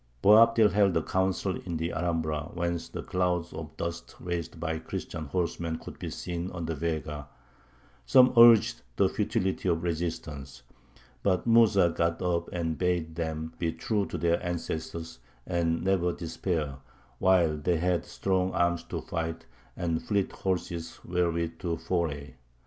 Boabdil held a council in the Alhambra, whence the clouds of dust raised by Christian horsemen could be seen on the Vega; some urged the futility of resistance, but Mūsa got up and bade them be true to their ancestors and never despair while they had strong arms to fight and fleet horses wherewith to foray.